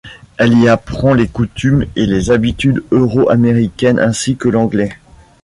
Elle y apprend les coutumes et les habitudes euro-américaines ainsi que l'anglais.